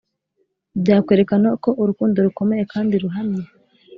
byakwerekana ko urukundo rukomeye kandi ruhamye?